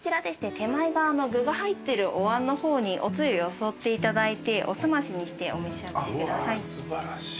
手前が具が入ってるおわんの方におつゆよそっていただいてお澄ましにしてお召し上がりください。